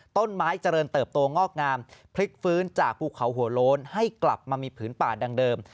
ต้นไม้เจริญเติบโตงอกงามพลิกฟื้นจากภูเขาหัวโล้นให้กลับมามีผืนป่าดังเดิม